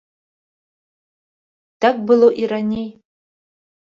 Так было і раней.